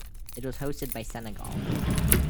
It was hosted by Senegal.